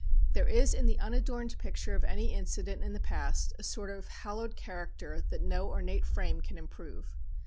There is in the unadorned picture of any incident in the past a sort of hallowed character that no ornate frame can improve.